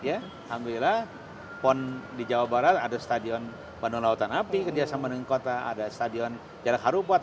alhamdulillah pon di jawa barat ada stadion bandung lautan api kerjasama dengan kota ada stadion jarak harupat